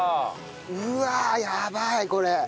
うわやばいこれ。